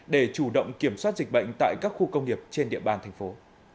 để chủ động kiểm soát dịch bệnh tại các khu công nghiệp trên địa bàn thành phố